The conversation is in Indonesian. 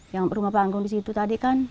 yang rumah panggung di situ tadi kan